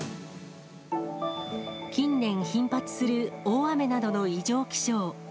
近年、頻発する大雨などの異常気象。